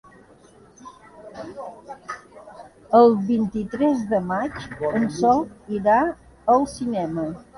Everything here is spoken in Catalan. El vint-i-tres de maig en Sol irà al cinema.